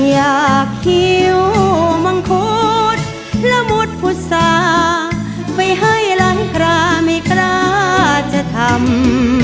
อยากคิวมังคุดละมุดพุษาไปให้หลังคราไม่กล้าจะทำ